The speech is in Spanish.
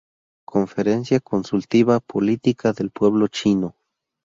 Conferencia Consultiva Política del Pueblo Chino.